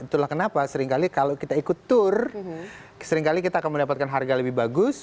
itulah kenapa seringkali kalau kita ikut tour seringkali kita akan mendapatkan harga lebih bagus